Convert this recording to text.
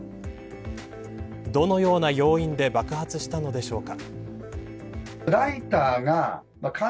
どのような要因で爆発したのでしょうか。